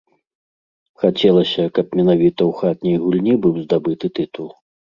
Хацелася, каб менавіта ў хатняй гульні быў здабыты тытул.